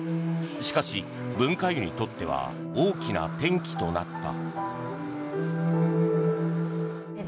しかし、文化湯にとっては大きな転機となった。